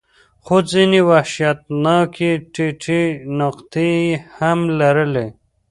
خو ځینې وحشتناکې ټیټې نقطې یې هم ولرلې.